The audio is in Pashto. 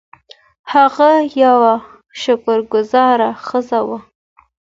هغه یوه شکر ګذاره ښځه وه.